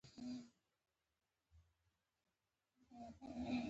بیا رپوټ ورسېد چې تیمورشاه حرکت کوي.